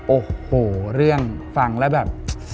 โอ้โหเรื่องฟังแล้วแบบ